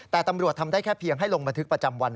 แต่ตำรวจทำได้แค่เพียงให้ลงบันทึกประจำวัน